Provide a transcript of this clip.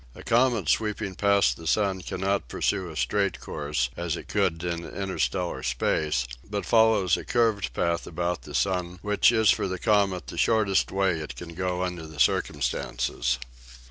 A comet sweeping past the sun cannot pursue a straight course, as it could in interstellar space, but follows a curved path about the sun which is for the comet the shortest way it can go under the circumstances.